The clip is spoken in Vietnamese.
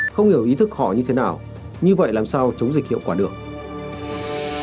không hiểu ý thức họ như thế nào như vậy làm sao chống dịch hiệu quả được